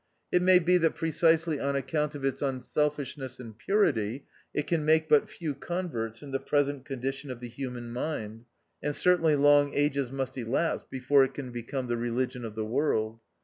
It may be that precisely on account of its unselfishness and purity it can make but few converts in the present condition of the human mind ; and certainly long ages must elapse before it can become the Keli gion of the World.